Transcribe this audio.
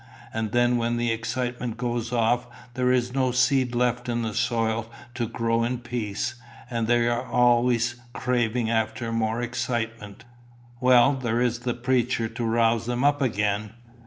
And then when the excitement goes off, there is no seed left in the soil to grow in peace, and they are always craving after more excitement." "Well, there is the preacher to rouse them up again."